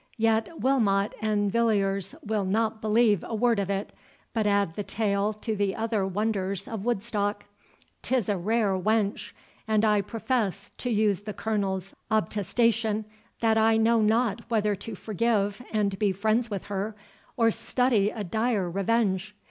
Yet Wilmot and Villiers will not believe a word of it, but add the tale to the other wonders of Woodstock. 'Tis a rare wench! and I profess, to use the Colonel's obtestation, that I know not whether to forgive and be friends with her, or study a dire revenge.